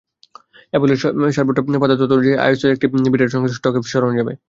অ্যাপলের support পাতার তথ্য অনুযায়ী, আইওএস বিটা সংস্করণে স্টক অ্যাপস সরানো যাবে।